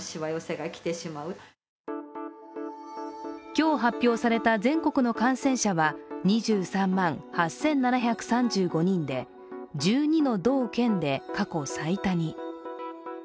今日、発表された全国の感染者は２３万８７３５人で１２の道県で過去最多に。